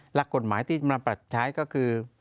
หลักกฎหมายที่จะมาปรับใช้ก็คือ